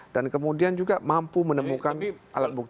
dan kemudian juga mampu menemukan alat bukti